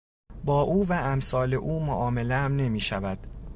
با او و امثال او معاملهام نمیشود.